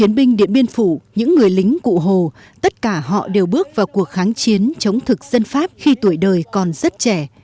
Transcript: chiến binh điện biên phủ những người lính cụ hồ tất cả họ đều bước vào cuộc kháng chiến chống thực dân pháp khi tuổi đời còn rất trẻ